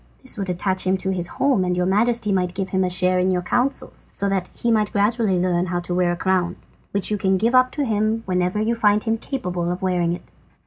This would attach him to his home, and your Majesty might give him a share in your counsels, so that he might gradually learn how to wear a crown, which you can give up to him whenever you find him capable of wearing it."